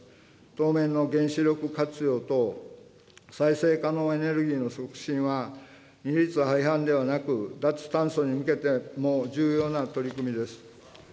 当面の原子力活用と再生可能エネルギーの促進は、二律背反ではなく、脱炭素に向けても重要な取り組みです。